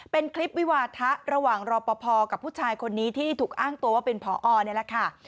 เป็นคลิปวิวาทะระหว่างรอปภกับผู้ชายคนนี้ที่ถูกอ้างตัวว่าเป็นผอนี่แหละค่ะ